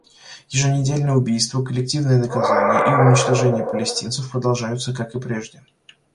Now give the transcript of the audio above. Ежедневные убийства, коллективные наказания и унижение палестинцев продолжаются, как и прежде.